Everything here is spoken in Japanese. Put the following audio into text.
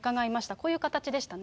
こういう形でしたね。